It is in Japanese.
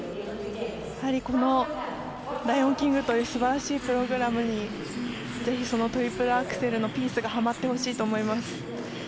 やはり「ライオン・キング」という素晴らしいプログラムにぜひ、トリプルアクセルのピースがはまってほしいと思います。